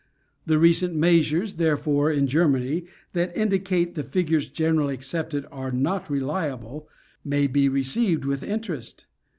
The recent measures, therefcre, in Germany, that indicate the figures generally accepted are not reliable, may be received with interest.